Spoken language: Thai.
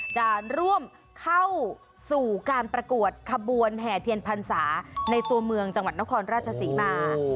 จะร่วมเข้าสู่การประกวดขบวนแห่เทียนพรรษาในตัวเมืองจังหวัดนครราชศรีมา